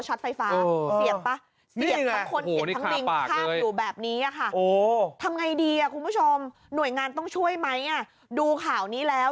ทำไงดีคุณผู้ชมหน่วยงานต้องช่วยไหมดูข่าวนี้แล้ว